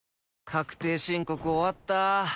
確定申告終わった。